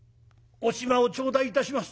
「お暇を頂戴いたします」。